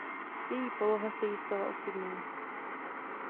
Její poloha se jí stala osudnou.